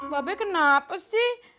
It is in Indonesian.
babe kenapa sih